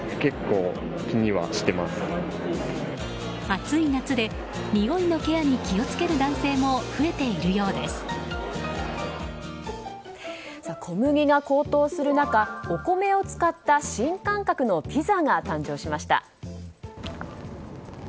暑い夏でにおいのケアに気を付ける男性も小麦が高騰する中お米を使った新感覚のピザが誕生しました。